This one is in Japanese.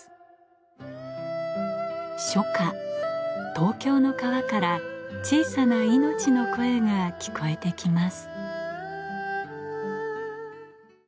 東京の川から小さな命の声が聞こえてきます